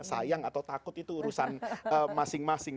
sayang atau takut itu urusan masing masing